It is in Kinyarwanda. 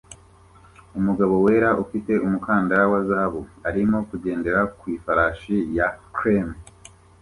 Umugabo wera ufite umukandara wa zahabu arimo kugendera ku ifarashi ya creme